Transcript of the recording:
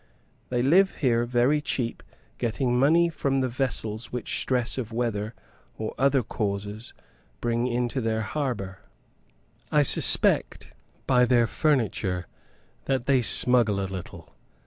They live here very cheap, getting money from the vessels which stress of weather, or other causes, bring into their harbour. I suspect, by their furniture, that they smuggle a little.